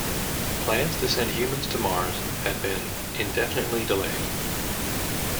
Plans to send humans to Mars had been indefinitely delayed.